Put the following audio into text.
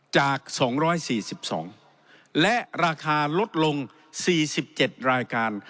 จากสองร้อยสี่สิบสองและราคาลดลงสี่สิบเจ็ดรายการ